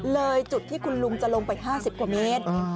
เลยจุดที่คุณลุงจะลงไป๕๐กว่าเมตร